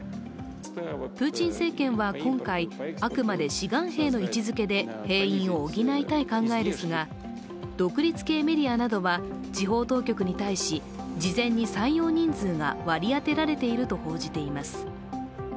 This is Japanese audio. プーチン政権は今回、あくまで志願兵の位置づけで兵員を補いたい考えですが、独立系メディアなどは地方当局に対し、事前に採用人数が割り当てられていると報じています。